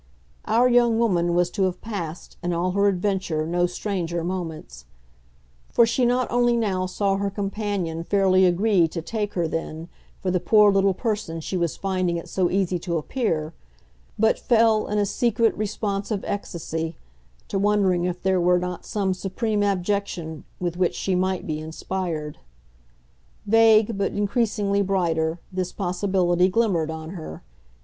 Our young woman was to have passed, in all her adventure, no stranger moments; for she not only now saw her companion fairly agree to take her then for the poor little person she was finding it so easy to appear, but fell, in a secret, responsive ecstasy, to wondering if there were not some supreme abjection with which she might be inspired. Vague, but increasingly brighter, this possibility glimmered on her.